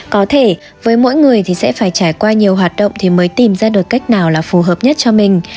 có thể với mỗi người thì sẽ phải trải qua nhiều hoạt động thì mới tìm ra được cách nào là phù hợp nhất cho mình